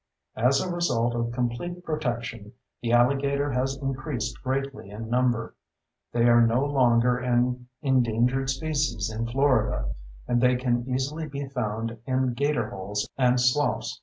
As a result of complete protection, the alligator has increased greatly in number. They are no longer an endangered species in Florida, and they can easily be found in gator holes and sloughs.